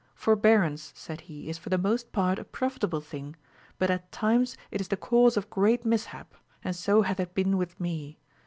Forbearance, daid he, is for the most part a profitable thing, but at times it is the cause of great mish£^, and so hath it been with me.